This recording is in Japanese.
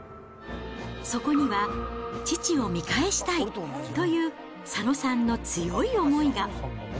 そこには父を見返したいという佐野さんの強い思いが。